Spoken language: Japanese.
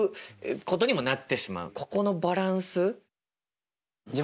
ここのバランス。